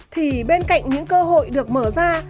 thì bên cạnh những cơ hội được mở ra